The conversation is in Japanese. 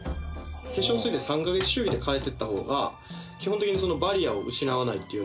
化粧水って３カ月周期で変えていった方が基本的にバリアを失わないっていう。